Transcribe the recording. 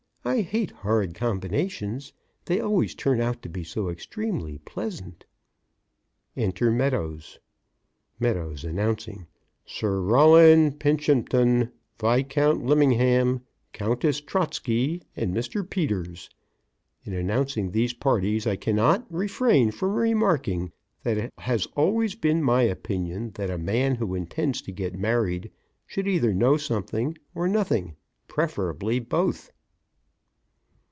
I hate horrid combinations; they always turn out to be so extremely pleasant. (Enter Meadows) MEADOWS (announcing): Sir Roland Pinshamton; Viscount Lemingham; Countess Trotski and Mr. Peters. In announcing these parties I cannot refrain from remarking that it has always been my opinion that a man who intends to get married should either know something or nothing, preferably both.